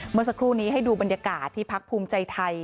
เมื่อสักครู่นี้ให้ดูบรรยากาศที่พักภูมิใจไทย